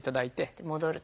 で戻ると。